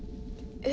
え？